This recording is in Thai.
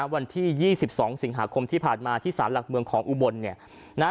วันที่๒๒สิงหาคมที่ผ่านมาที่สารหลักเมืองของอุบล